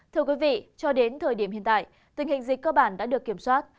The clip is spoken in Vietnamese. thưa quý vị cho đến thời điểm hiện tại tình hình dịch cơ bản đã được kiểm soát